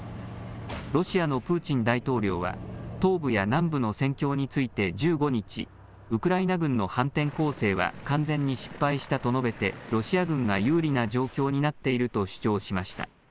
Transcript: ロシアのプーチン大統領は東部や南部の戦況について１５日、ウクライナ軍の反転攻勢は完全に失敗したと述べてロシア軍が有利な状況になっていると主張しました。